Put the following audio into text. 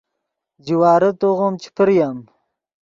جوارے توغیم چے پریم